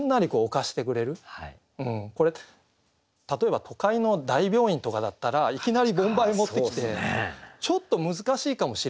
これ例えば都会の大病院とかだったらいきなり盆梅持ってきてちょっと難しいかもしれないですよね。